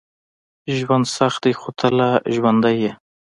ژوند سخت ده، خو ته لا ژوندی یې.